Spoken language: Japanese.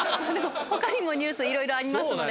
他にもニュースいろいろありますので。